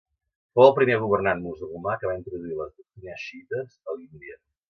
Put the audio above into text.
Fou el primer governant musulmà que va introduir les doctrines xiïtes a l'Índia.